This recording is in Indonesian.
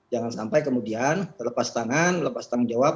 jangan sampai kemudian terlepas tangan lepas tanggung jawab